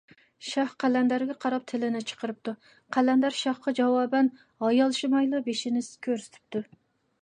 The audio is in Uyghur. شاھ قەلەندەرگە قاراپ تىلىنى چىقىرىپتۇ، قەلەندەر شاھقا جاۋابەن ھايالشىمايلا بېشىنى كۆرسىتىپتۇ.